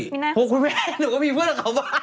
โอ้คุณแม่หนูก็มีเพื่อนของเขาบ้าง